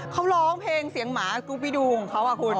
เขาร้องเพลงเสียงหมากรุ๊ปวิดูของเขาคุณ